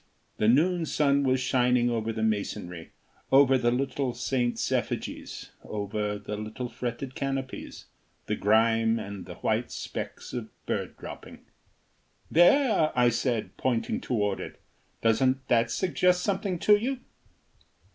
The noon sun was shining over the masonry, over the little saints' effigies, over the little fretted canopies, the grime and the white streaks of bird dropping. "There," I said, pointing toward it, "doesn't that suggest something to you?"